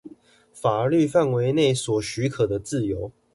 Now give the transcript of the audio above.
法律範圍內所許可的自由